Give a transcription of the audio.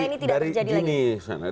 supaya ini tidak berjalan